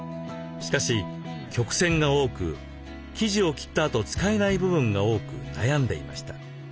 しかし曲線が多く生地を切ったあと使えない部分が多く悩んでいました。